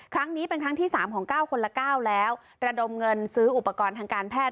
ครั้งนี้เป็นครั้งที่สามของเก้าคนละ๙แล้วระดมเงินซื้ออุปกรณ์ทางการแพทย